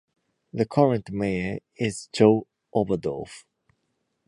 The current mayor is Joe Oberdorf.